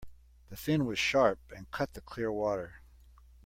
The fin was sharp and cut the clear water.